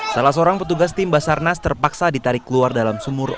salah seorang petugas tim basarnas terpaksa ditarik keluar dalam sumur